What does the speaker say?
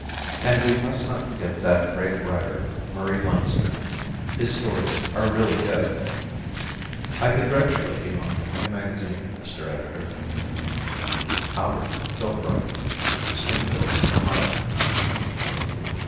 And we must not forget that great writer, Murray Leinster. His stories are really good. I congratulate you on your new magazine, Mr. Editor. Albert Philbrick, 117 N. Spring St., Springfield, Ohio.